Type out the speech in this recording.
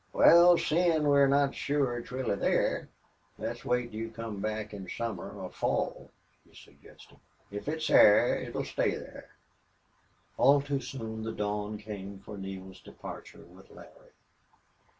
"Wal, seein' we're not sure it's really there, let's wait till you come back in summer or fall," he suggested. "If it's thar it'll stay thar." All too soon the dawn came for Neale's departure with Larry.